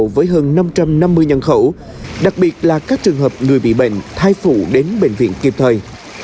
với hơn năm trăm năm mươi nhân khẩu đặc biệt là các trường hợp người bị bệnh thai phụ đến bệnh viện kịp thời